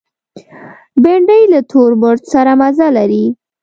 بېنډۍ له تور مرچ سره مزه لري